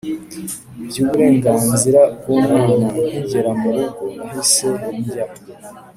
by'uburenganzira bw'umwana. nkigera mu rugo, nahise njya